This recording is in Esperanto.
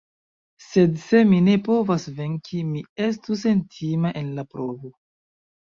Sed se mi ne povas venki, mi estu sentima en la provo.